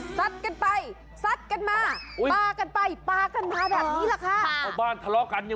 ขอแรงก้าวชอบความดี